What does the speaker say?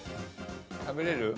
食べれる？